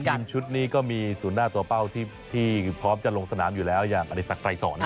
ในทีมชุดนี้ก็มีสูญหน้าตัวเป้าที่พร้อมจะลงสนามอยู่แล้วอย่างบริษัทไกรศร